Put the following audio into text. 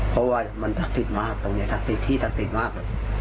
เพราะว่ามันทักษิตมากตรงนี้ทักษิตที่ทักษิตมาก